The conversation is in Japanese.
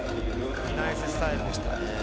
ナイススタイルでした。